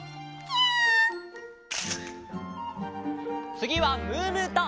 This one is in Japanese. つぎはムームーと！